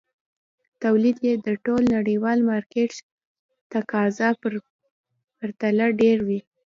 تولید یې د ټول نړیوال مارکېټ تقاضا په پرتله ډېر وو.